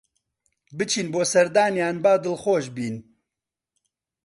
بچین بۆ سەردانیان با دڵخۆش بین